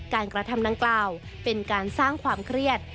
กระทำดังกล่าวเป็นการสร้างความเครียด